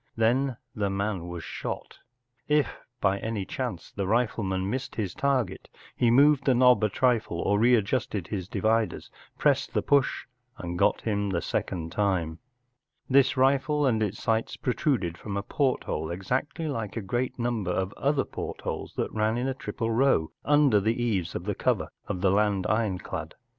Then the man was shot. If by any chance the rifleman missed his target he moved the knob a trifle, or read¬ justed his dividers, pressed the push, and got him the second time, This rifle and its sights protruded from a porthole, exactly like a great number of other portholes that ran in a triple row under the eaves of the cover of the land ironclad.